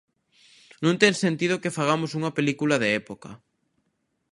Non ten sentido que fagamos unha película de época.